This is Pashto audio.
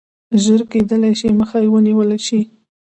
ژر کېدلای شي مخه ونیوله شي.